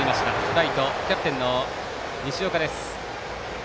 ライト、キャプテンの西岡です。